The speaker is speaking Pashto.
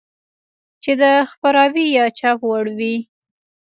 چې د خپراوي يا چاپ وړ وي.